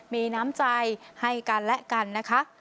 มีน้ำใจให้กันและกันนะคะ